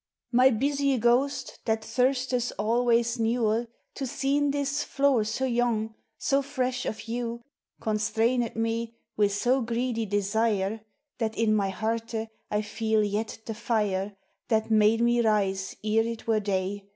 My busie gost, that thursteth alway newe ; To seen this Hour so yong, so fresh of hew, Constrained me, with so greedy desire, That in my herte I fele yet the fire, That made me rise ere it were day.